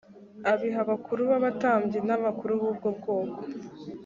abiha abakuru b abatambyi n abakuru b ubwo bwoko